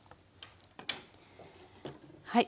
はい。